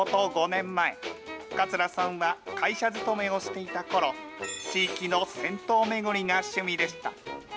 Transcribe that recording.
５年前、桂さんは会社勤めをしていたころ、地域の銭湯巡りが趣味でした。